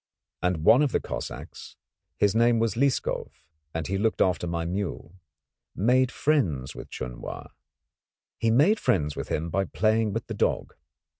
And one of the Cossacks his name was Lieskov and he looked after my mule made friends with Chun Wa. He made friends with him by playing with the dog.